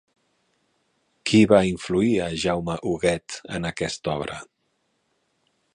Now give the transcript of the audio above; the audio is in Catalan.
Qui va influir a Jaume Huguet en aquest obra?